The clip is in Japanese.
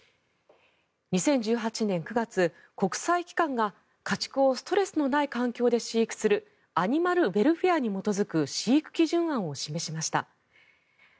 ２０１８年９月、国際機関が家畜をストレスのない環境で飼育するアニマルウェルフェアに基づく飼育基準案を示しました。